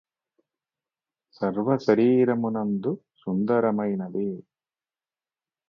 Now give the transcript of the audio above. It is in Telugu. సర్వశరీరమునందు సుందరమైనది